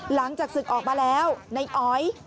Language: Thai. หลังจากศึกออกมาแล้วในอ๋อย